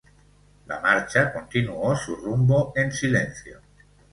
La marcha continuó su rumbo en silencio.